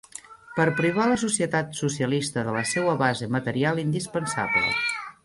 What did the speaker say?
Per privar la societat socialista de la seua base material indispensable.